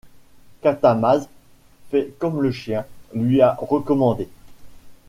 Katamase fait comme le chien lui a recommandé.